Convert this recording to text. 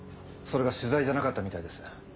それが取材じゃなかったみたいです。